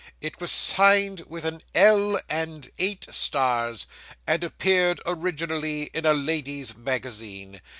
It was signed with an "L" and eight stars, and appeared originally in a lady's magazine.